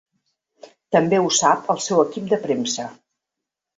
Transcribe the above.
També ho sap el seu equip de premsa.